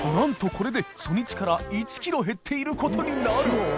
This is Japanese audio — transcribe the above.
これで初日から１ｋｇ減っていることになる森川）